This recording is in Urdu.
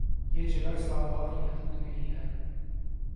یہ جگہ اسلام آباد کی حدود میں ہی ہے